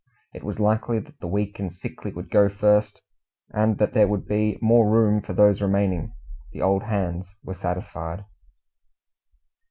It was likely that the weak and sickly would go first, and that there would be more room for those remaining. The Old Hands were satisfied.